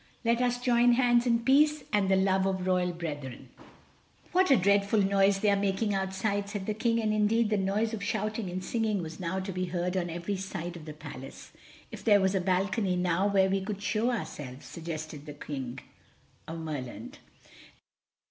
Let us join hands in peace and the love of royal brethren." "What a dreadful noise they are making outside," said the King, and indeed the noise of shouting and singing was now to be heard on every side of the Palace. "If there was a balcony now where we could show ourselves," suggested the King of Merland.